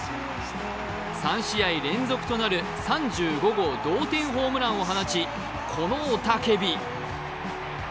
３試合連続となる３５号同点ホームランを放ちこの雄たけび。